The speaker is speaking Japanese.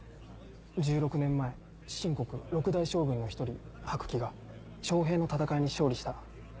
１６年前秦国六大将軍の１人白起が長平の戦いに勝利した。